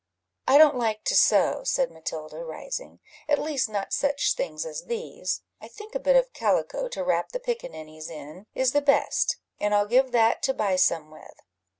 "I don't like to sew," said Matilda, rising; "at least not such things as these: I think a bit of calico to wrap the pickaninnies in is the best, and I'll give that to buy some with."